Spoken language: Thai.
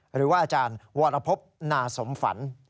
หรือว่าอาจารย์วรพบนาสมฝัน